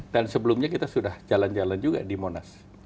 dan sebelumnya kita sudah jalan jalan juga di monas